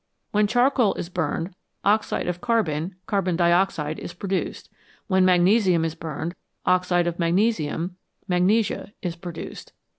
When charcoal is burned, oxide of carbon (carbon dioxide) is produced ; when magnesium is burned, oxide of magnesium (magnesia) is produced.